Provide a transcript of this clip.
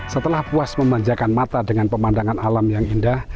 setelah puas memanjakan mata dengan pemandangan alam yang indah